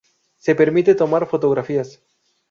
Se permite tomar fotografías.